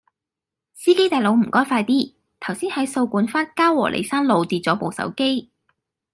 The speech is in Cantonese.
司機大佬唔該快啲，頭先喺掃管笏嘉和里山路跌左部手機